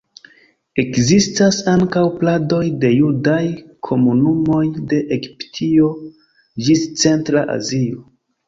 Ekzistas ankaŭ pladoj de judaj komunumoj de Etiopio ĝis Centra Azio.